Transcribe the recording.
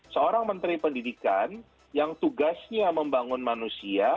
seorang menteri pendidikan yang tugasnya membangun manusia